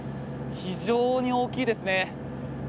非常に大きいですね。